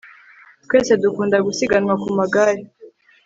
twese dukunda gusiganwa ku magare